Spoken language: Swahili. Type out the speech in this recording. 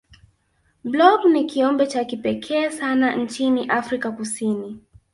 blob ni kiumbe cha kipekee sana nchini afrika kusini